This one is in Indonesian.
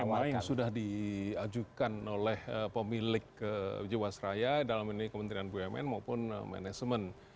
apa yang sudah diajukan oleh pemilik jiwasraya dalam ini kementerian bumn maupun manajemen